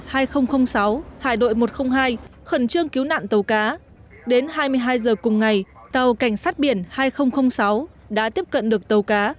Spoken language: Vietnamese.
hải đội một trăm linh hai khẩn trương cứu nạn tàu cá đến hai mươi hai h cùng ngày tàu cảnh sát biển hai nghìn sáu đã tiếp cận được tàu cá